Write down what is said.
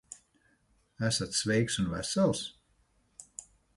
Esat sveiks un vesels?